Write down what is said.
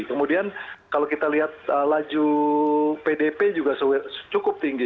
kemudian kalau kita lihat laju pdp juga cukup tinggi